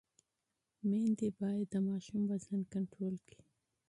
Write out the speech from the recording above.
میندې باید د ماشوم وزن کنټرول کړي۔